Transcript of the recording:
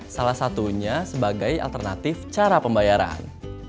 salah satunya sebagai alternatif cara pembayaran